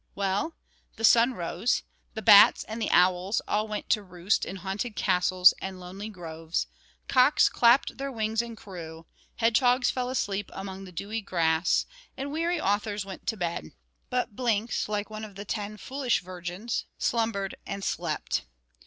Well, the sun rose, the bats and the owls all went to roost in haunted castles and lonely groves, cocks clapped their wings and crew, hedgehogs fell asleep among the dewy grass, and weary authors went to bed; but Blinks like one of the ten foolish virgins, slumbered and slept.